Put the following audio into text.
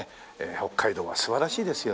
北海道は素晴らしいですよね。